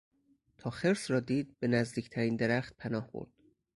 تا خرس را دید به نزدیکترین درخت پناه برد.